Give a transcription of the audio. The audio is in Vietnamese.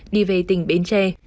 đi về tỉnh bến tre